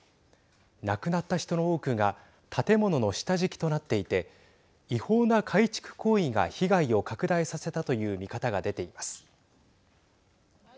亡くなった人の多くが建物の下敷きとなっていて違法な改築行為が被害を拡大させたという見方が出ています。